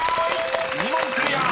２問クリア！］